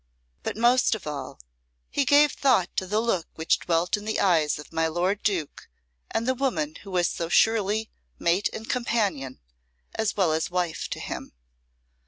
But most of all he gave thought to the look which dwelt in the eyes of my Lord Duke and the woman who was so surely mate and companion as well as wife to him.